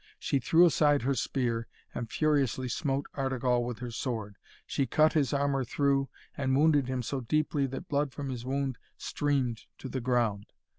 She threw aside her spear and furiously smote Artegall with her sword. She cut his armour through, and wounded him so deeply that blood from his wound streamed to the ground.